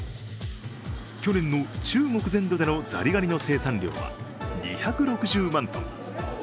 去年の中国全土でのザリガニの生産量は２６０万トン。